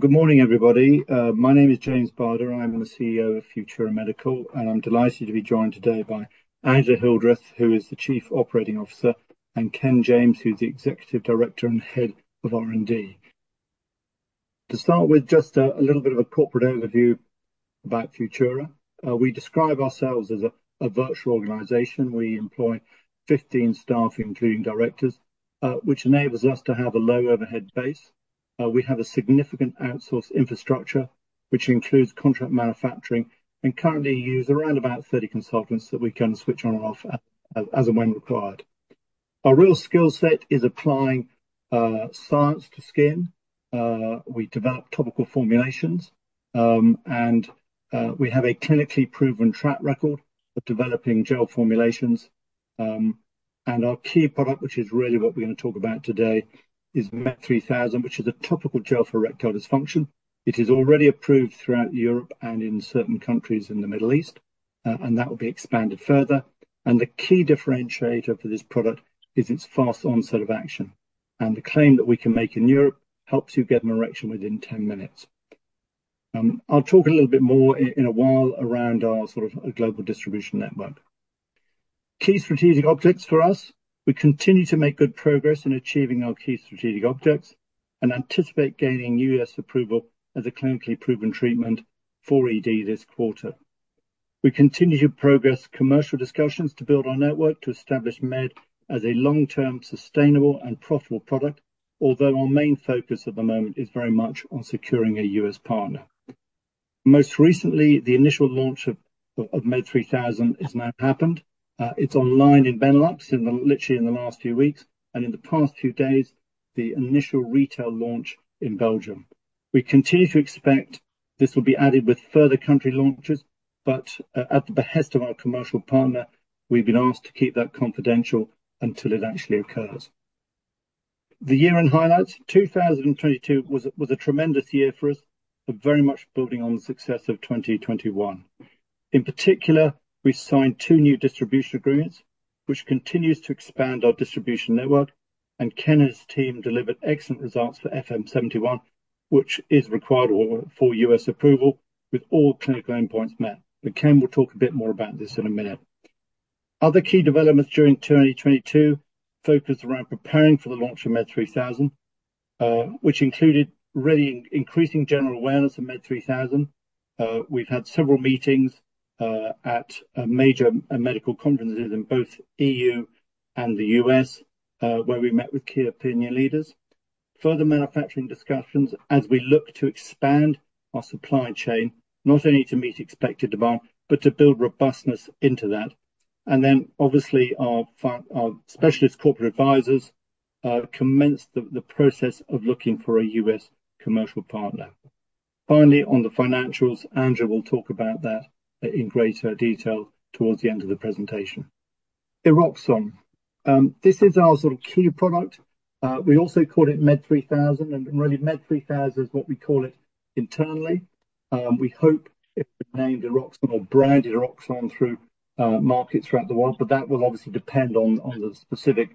Good morning, everybody. My name is James Barder. I'm the CEO of Futura Medical, and I'm delighted to be joined today by Angela Hildreth, who is the Chief Operating Officer, and Ken James, who's the Executive Director and Head of R&D. To start with just a little bit of a corporate overview about Futura. We describe ourselves as a virtual organization. We employ 15 staff, including directors, which enables us to have a low overhead base. We have a significant outsourced infrastructure, which includes contract manufacturing and currently use around about 30 consultants that we can switch on and off as and when required. Our real skill set is applying science to skin. We develop topical formulations, and we have a clinically proven track record of developing gel formulations. Our key product, which is really what we're gonna talk about today, is MED3000, which is a topical gel for erectile dysfunction. It is already approved throughout Europe and in certain countries in the Middle East, and that will be expanded further. The key differentiator for this product is its fast onset of action. The claim that we can make in Europe, helps you get an erection within 10 minutes. I'll talk a little bit more in a while around our sort of global distribution network. Key strategic objects for us. We continue to make good progress in achieving our key strategic objects and anticipate gaining U.S. approval as a clinically proven treatment for ED this quarter. We continue to progress commercial discussions to build our network to establish MED as a long-term, sustainable and profitable product. Our main focus at the moment is very much on securing a U.S. partner. Most recently, the initial launch of MED3000 has now happened. It's online in Benelux literally in the last few weeks. In the past few days, the initial retail launch in Belgium. We continue to expect this will be added with further country launches, but at the behest of our commercial partner, we've been asked to keep that confidential until it actually occurs. The year in highlights. 2022 was a tremendous year for us, but very much building on the success of 2021. In particular, we signed two new distribution agreements, which continues to expand our distribution network, and Ken and his team delivered excellent results for FM71, which is required for U.S. approval with all clinical endpoints met. Ken will talk a bit more about this in a minute. Other key developments during 2022 focused around preparing for the launch of MED3000, which included really increasing general awareness of MED3000. We've had several meetings at major medical conferences in both EU and the U.S., where we met with key opinion leaders. Further manufacturing discussions as we look to expand our supply chain, not only to meet expected demand, but to build robustness into that. Obviously our specialist corporate advisors commenced the process of looking for a U.S. commercial partner. Finally, on the financials, Angela Hildreth will talk about that in greater detail towards the end of the presentation. Eroxon. This is our sort of key product. We also call it MED3000. Really MED3000 is what we call it internally. We hope it will be named Eroxon or branded Eroxon through markets throughout the world, but that will obviously depend on the specific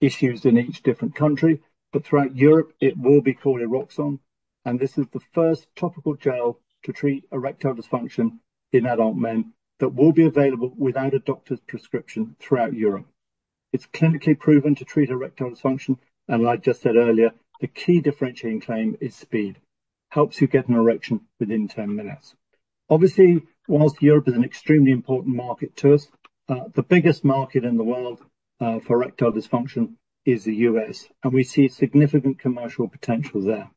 issues in each different country. Throughout Europe it will be called Eroxon, and this is the first topical gel to treat erectile dysfunction in adult men that will be available without a doctor's prescription throughout Europe. It's clinically proven to treat erectile dysfunction, and like I just said earlier, the key differentiating claim is speed. Helps you get an erection within 10 minutes. Obviously, whilst Europe is an extremely important market to us, the biggest market in the world, for erectile dysfunction is the U.S., and we see significant commercial potential there.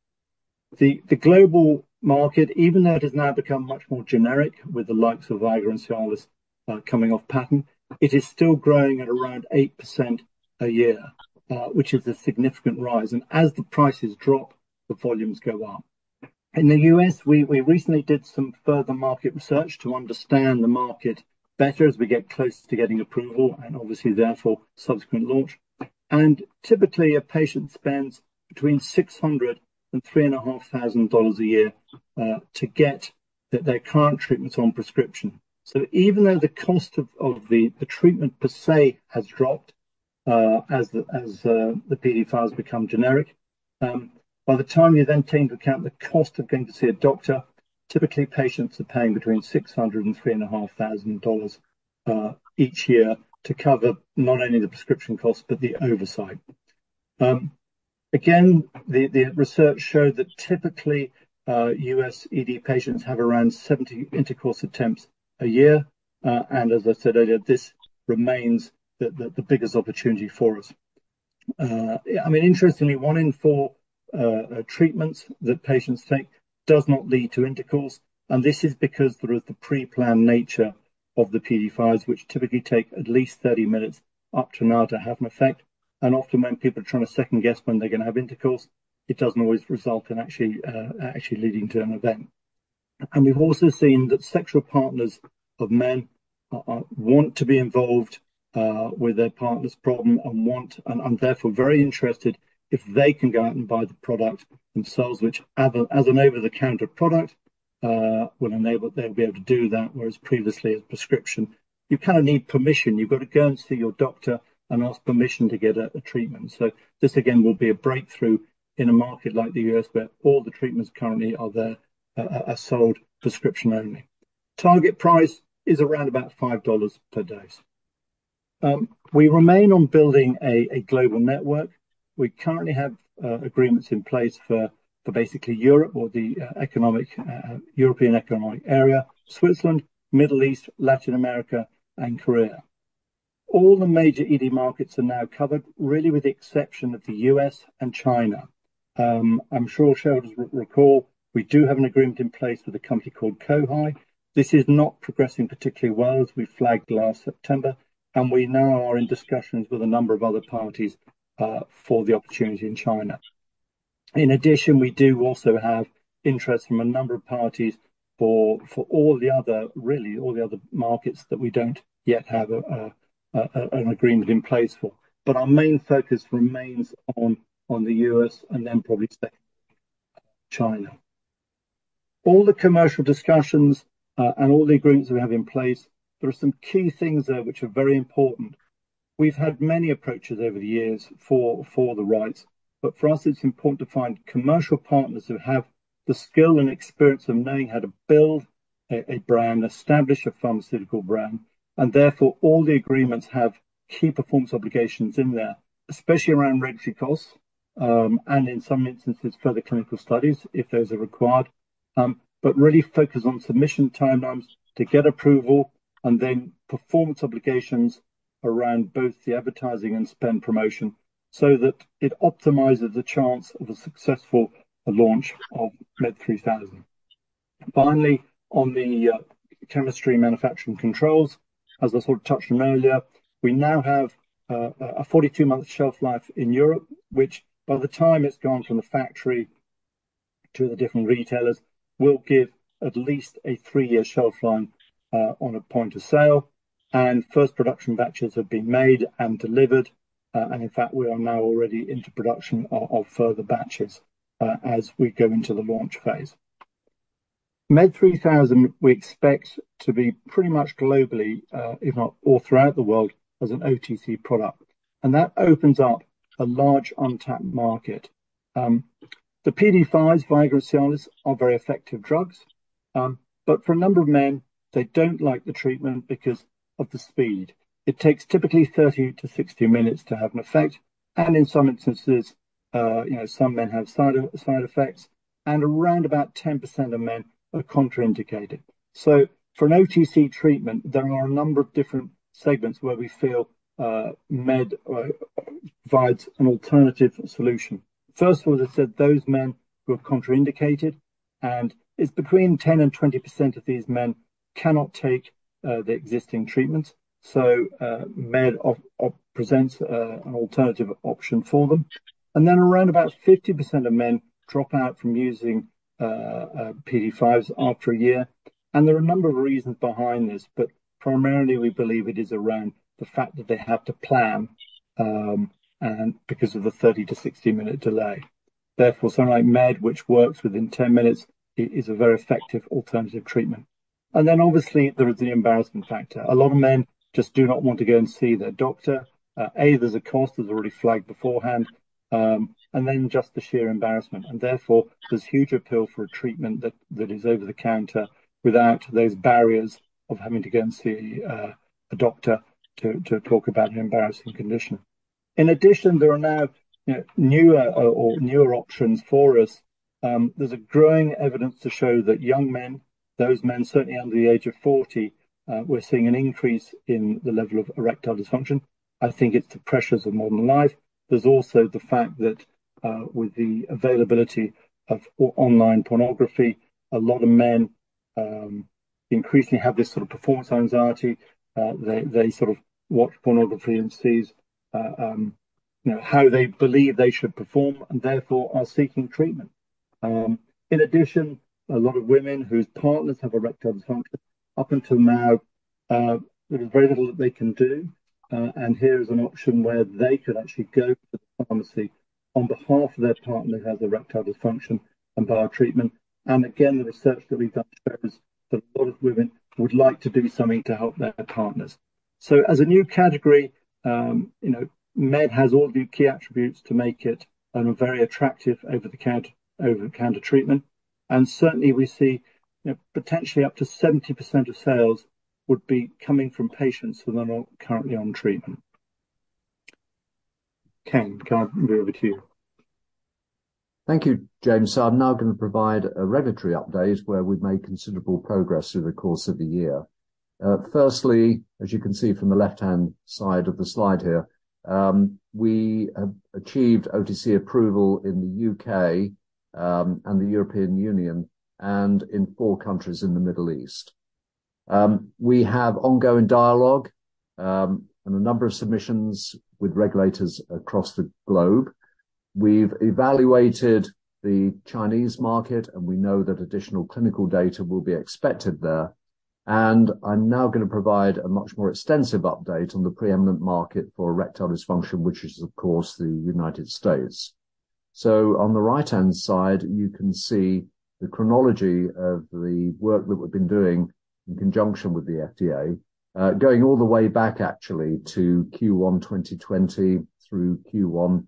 The global market, even though it has now become much more generic with the likes of Viagra and Cialis, coming off patent, it is still growing at around 8% a year, which is a significant rise. As the prices drop, the volumes go up. In the U.S., we recently did some further market research to understand the market better as we get closer to getting approval and obviously therefore subsequent launch. Typically a patient spends between $600 and $3,500 a year, to get their current treatments on prescription. Even though the cost of the treatment per se has dropped, as the PDE5s become generic, by the time you then take into account the cost of going to see a doctor, typically patients are paying between $600 and $3,500 each year to cover not only the prescription costs but the oversight. Again, the research showed that typically, U.S. ED patients have around 70 intercourse attempts a year. As I said earlier, this remains the biggest opportunity for us. I mean, interestingly, one in four treatments that patients take does not lead to intercourse, and this is because the sort of pre-planned nature of the PDE5s, which typically take at least 30 minutes up to an hour to have an effect. Often when people are trying to second-guess when they're going to have intercourse, it doesn't always result in actually leading to an event. We've also seen that sexual partners of men want to be involved with their partner's problem and want and therefore very interested if they can go out and buy the product themselves, which as an over-the-counter product will enable they'll be able to do that, whereas previously a prescription. You kind of need permission. You've got to go and see your doctor and ask permission to get a treatment. This again will be a breakthrough in a market like the U.S. where all the treatments currently are there, are sold prescription-only. Target price is around about $5 per dose. We remain on building a global network. We currently have agreements in place for basically Europe or the European Economic Area, Switzerland, Middle East, Latin America, and Korea. All the major ED markets are now covered, really with the exception of the U.S. and China. I'm sure shareholders will recall, we do have an agreement in place with a company called Co-High. This is not progressing particularly well, as we flagged last September, and we now are in discussions with a number of other parties for the opportunity in China. We do also have interest from a number of parties for all the other really all the other markets that we don't yet have an agreement in place for. Our main focus remains on the U.S. and then probably secondarily China. All the commercial discussions, and all the agreements we have in place, there are some key things there which are very important. For us it's important to find commercial partners who have the skill and experience of knowing how to build a brand, establish a pharmaceutical brand, and therefore all the agreements have key performance obligations in there. Especially around regulatory costs, and in some instances, further clinical studies if those are required. Really focus on submission timelines to get approval and then performance obligations around both the advertising and spend promotion so that it optimizes the chance of a successful launch of MED3000. Finally, on the chemistry and manufacturing controls, as I sort of touched on earlier, we now have a 42-month shelf life in Europe, which by the time it's gone from the factory to the different retailers, will give at least a three-year shelf life on a point of sale. First production batches have been made and delivered. In fact, we are now already into production of further batches as we go into the launch phase. MED3000 we expect to be pretty much globally, if not all throughout the world, as an OTC product, and that opens up a large untapped market. The PDE5 Viagra sales are very effective drugs, but for a number of men, they don't like the treatment because of the speed. It takes typically 30-60 minutes to have an effect. In some instances, you know, some men have side effects, and around about 10% of men are contraindicated. For an OTC treatment, there are a number of different segments where we feel MED provides an alternative solution. First of all, as I said, those men who are contraindicated. It's between 10%-20% of these men cannot take the existing treatment. MED presents an alternative option for them. Around about 50% of men drop out from using PDE5s after a year. There are a number of reasons behind this, but primarily we believe it is around the fact that they have to plan, and because of the 30-60-minute delay. Something like MED, which works within 10 minutes, is a very effective alternative treatment. Obviously there is the embarrassment factor. A lot of men just do not want to go and see their doctor. There's a cost that's already flagged beforehand, just the sheer embarrassment. There's huge appeal for a treatment that is over the counter without those barriers of having to go and see a doctor to talk about an embarrassing condition. In addition, there are now, you know, newer options for us. There's a growing evidence to show that young men, those men certainly under the age of 40, we're seeing an increase in the level of erectile dysfunction. I think it's the pressures of modern life. There's also the fact that, with the availability of online pornography, a lot of men increasingly have this sort of performance anxiety. They sort of watch pornography and see, you know, how they believe they should perform and therefore are seeking treatment. In addition, a lot of women whose partners have erectile dysfunction, up until now, there was very little that they can do. Here is an option where they could actually go to the pharmacy on behalf of their partner who has erectile dysfunction and buy a treatment. Again, the research that we've done shows that a lot of women would like to do something to help their partners. As a new category, you know, MED has all the key attributes to make it a very attractive over-the-counter treatment. Certainly we see, you know, potentially up to 70% of sales would be coming from patients who are not currently on treatment. Ken, can I hand you over to you? Thank you, James. I'm now gonna provide a regulatory update where we've made considerable progress through the course of the year. Firstly, as you can see from the left-hand side of the slide here, we have achieved OTC approval in the U.K., and the European Union and in four countries in the Middle East. We have ongoing dialogue, and a number of submissions with regulators across the globe. We've evaluated the Chinese market, and we know that additional clinical data will be expected there. I'm now gonna provide a much more extensive update on the preeminent market for erectile dysfunction, which is, of course, the United States. On the right-hand side, you can see the chronology of the work that we've been doing in conjunction with the FDA, going all the way back actually to Q1 2020 through Q1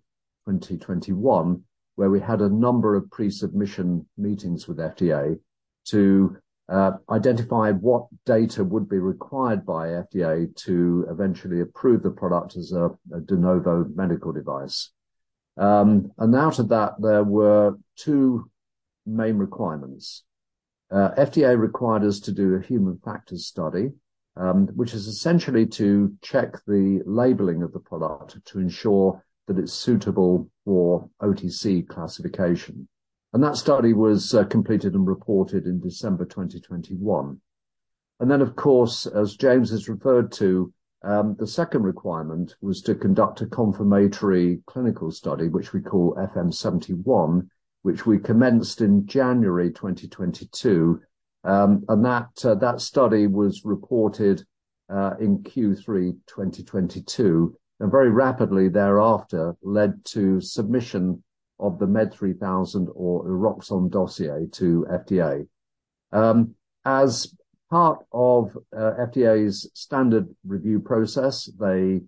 2021, where we had a number of pre-submission meetings with FDA to identify what data would be required by FDA to eventually approve the product as a De Novo medical device. And out of that, there were two main requirements. FDA required us to do a human factors study, which is essentially to check the labeling of the product to ensure that it's suitable for OTC classification. And that study was completed and reported in December 2021. Then, of course, as James has referred to, the second requirement was to conduct a confirmatory clinical study, which we call FM71, which we commenced in January 2022. That study was reported in Q3 2022, and very rapidly thereafter led to submission of the MED3000 or Eroxon dossier to FDA. As part of FDA's standard review process, they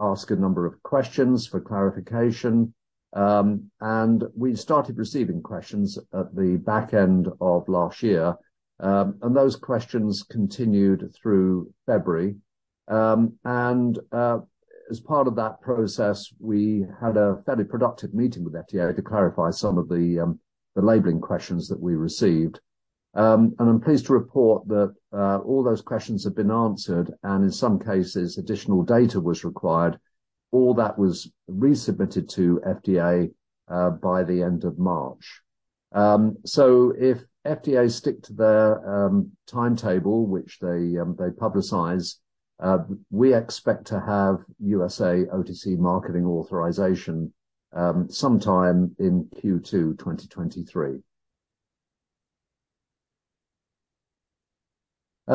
ask a number of questions for clarification, and we started receiving questions at the back end of last year. Those questions continued through February. As part of that process, we had a fairly productive meeting with FDA to clarify some of the labeling questions that we received. I'm pleased to report that all those questions have been answered, and in some cases, additional data was required. All that was resubmitted to FDA by the end of March. If FDA stick to their timetable, which they publicize, we expect to have USA OTC marketing authorization sometime in Q2 2023.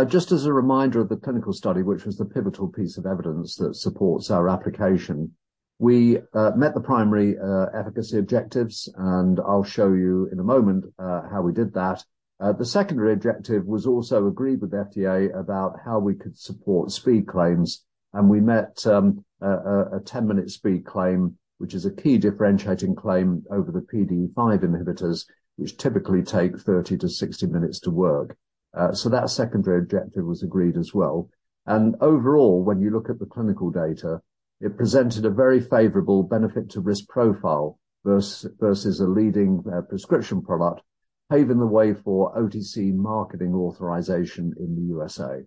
Just as a reminder of the clinical study, which was the pivotal piece of evidence that supports our application. We met the primary efficacy objectives, and I'll show you in a moment how we did that. The secondary objective was also agreed with the FDA about how we could support speed claims, and we met a 10-minute speed claim, which is a key differentiating claim over the PDE5 inhibitors, which typically take 30-60 minutes to work. That secondary objective was agreed as well. Overall, when you look at the clinical data, it presented a very favorable benefit to risk profile versus a leading prescription product, paving the way for OTC marketing authorization in the USA.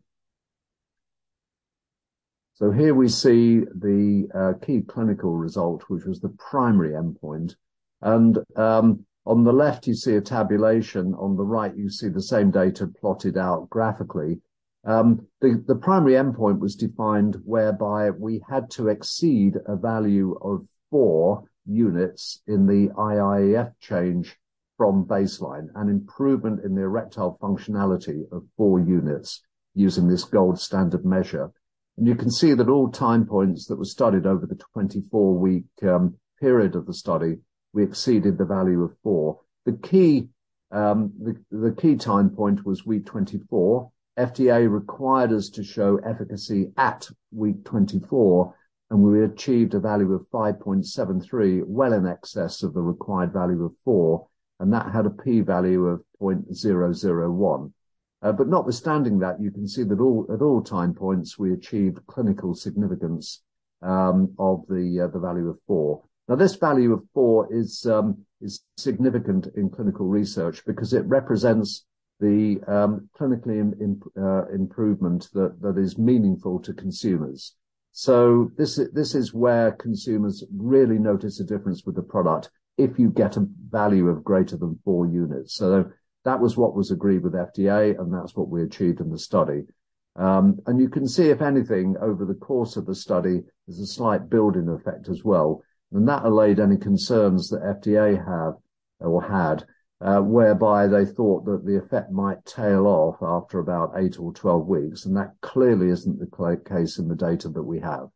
Here we see the key clinical result, which was the primary endpoint. On the left you see a tabulation. On the right you see the same data plotted out graphically. The primary endpoint was defined whereby we had to exceed a value of four units in the IIEF change from baseline, an improvement in the erectile functionality of four units using this gold standard measure. You can see that all time points that were studied over the 24-week period of the study, we exceeded the value of four. The key time point was week 24. FDA required us to show efficacy at week 24. We achieved a value of 5.73, well in excess of the required value of 4, and that had a p-value of 0.001. Notwithstanding that, you can see that at all time points we achieved clinical significance of the value of 4. This value of 4 is significant in clinical research because it represents the clinically improvement that is meaningful to consumers. This is where consumers really notice a difference with the product if you get a value of greater than four units. That was what was agreed with FDA. That's what we achieved in the study. You can see if anything over the course of the study, there's a slight building effect as well. That allayed any concerns that FDA have or had, whereby they thought that the effect might tail off after about eight or 12 weeks. That clearly isn't the case in the data that we have.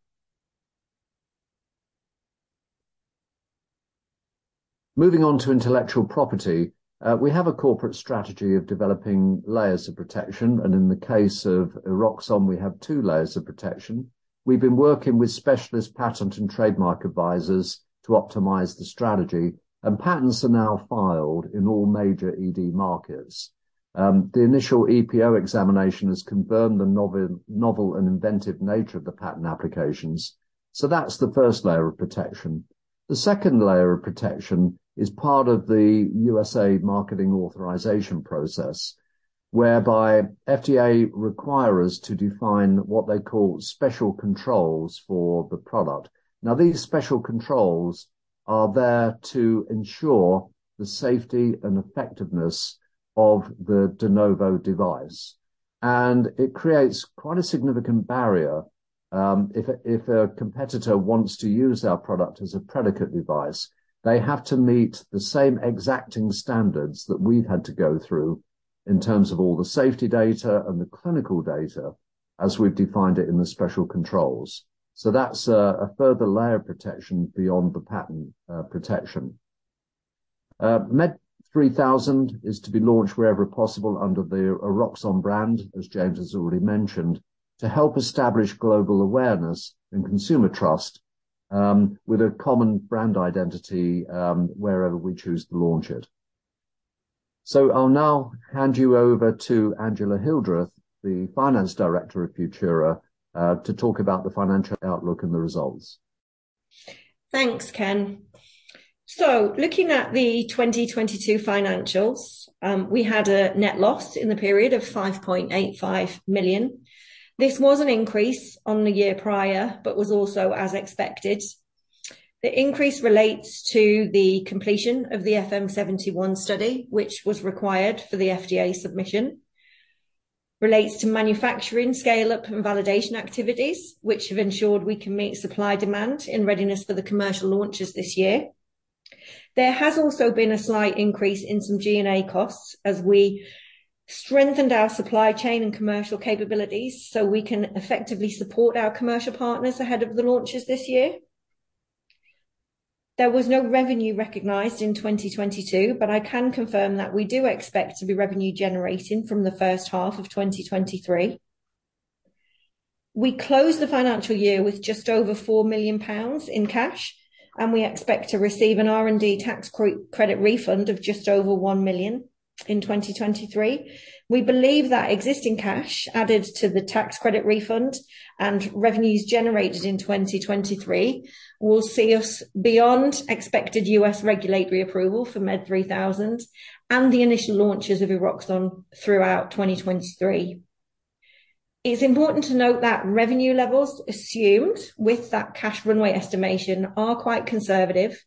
Moving on to intellectual property. We have a corporate strategy of developing layers of protection, and in the case of Eroxon, we have two layers of protection. We've been working with specialist patent and trademark advisors to optimize the strategy, and patents are now filed in all major ED markets. The initial EPO examination has confirmed the novel and inventive nature of the patent applications. That's the first layer of protection. The second layer of protection is part of the USA marketing authorization process, whereby FDA require us to define what they call special controls for the product. These special controls are there to ensure the safety and effectiveness of the De Novo device. It creates quite a significant barrier if a competitor wants to use our product as a predicate device, they have to meet the same exacting standards that we've had to go through in terms of all the safety data and the clinical data as we've defined it in the special controls. That's a further layer of protection beyond the patent protection. MED3000 is to be launched wherever possible under the Eroxon brand, as James has already mentioned, to help establish global awareness and consumer trust with a common brand identity wherever we choose to launch it. I'll now hand you over to Angela Hildreth, the Finance Director of Futura, to talk about the financial outlook and the results. Thanks, Ken. Looking at the 2022 financials, we had a net loss in the period of 5.85 million. This was an increase on the year prior, but was also as expected. The increase relates to the completion of the FM71 study, which was required for the FDA submission, relates to manufacturing, scale-up, and validation activities, which have ensured we can meet supply demand in readiness for the commercial launches this year. There has also been a slight increase in some G&A costs as we strengthened our supply chain and commercial capabilities so we can effectively support our commercial partners ahead of the launches this year. There was no revenue recognized in 2022, but I can confirm that we do expect to be revenue generating from the first half of 2023. We closed the financial year with just over 4 million pounds in cash. We expect to receive an R&D tax credit refund of just over 1 million in 2023. We believe that existing cash added to the tax credit refund and revenues generated in 2023 will see us beyond expected U.S. regulatory approval for MED3000 and the initial launches of Eroxon throughout 2023. It's important to note that revenue levels assumed with that cash runway estimation are quite conservative.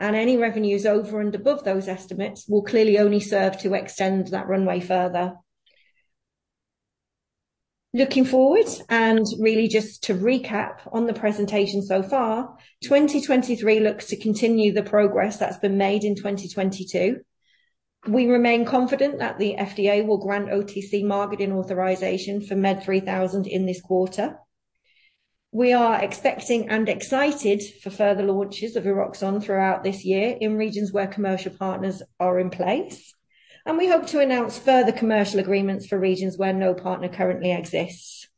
Any revenues over and above those estimates will clearly only serve to extend that runway further. Looking forward, really just to recap on the presentation so far, 2023 looks to continue the progress that's been made in 2022. We remain confident that the FDA will grant OTC marketing authorization for MED3000 in this quarter. We are expecting and excited for further launches of Eroxon throughout this year in regions where commercial partners are in place. We hope to announce further commercial agreements for regions where no partner currently exists.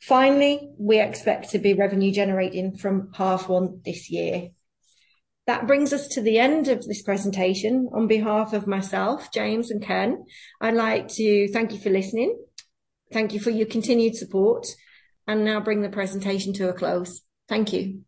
Finally, we expect to be revenue generating from half one this year. That brings us to the end of this presentation. On behalf of myself, James, and Ken, I'd like to thank you for listening. Thank you for your continued support. Now bring the presentation to a close. Thank you.